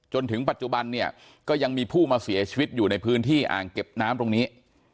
จนถึงปัจจุบันเนี่ยก็ยังมีผู้มาเสียชีวิตอยู่ในพื้นที่อ่างเก็บน้ำตรงนี้